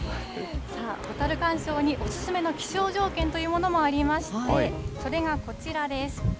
さあ、ホタル鑑賞にお勧めの気象条件というものもありまして、それがこちらです。